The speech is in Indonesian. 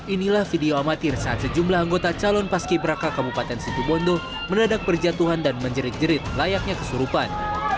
inilah video amatir saat sejumlah anggota calon pas kiberaka kabupaten situ bondo mendadak berjatuhan dan menjerit jerit layaknya kesurupan